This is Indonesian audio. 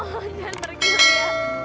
aku mohon jangan pergi liat